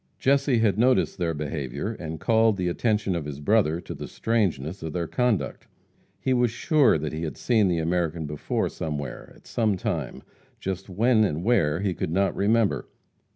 Jesse had noticed their behavior, and called the attention of his brother to the strangeness of their conduct. He was sure that he had seen the American before somewhere, at some time, just when and where he could not remember.